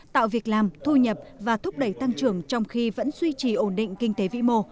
tạo việc làm thu nhập và thúc đẩy tăng trưởng trong khi vẫn duy trì ổn định kinh tế vĩ mô